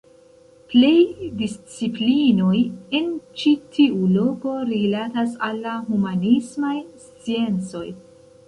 Plej disciplinoj en ĉi tiu loko rilatas al la humanismaj sciencoj.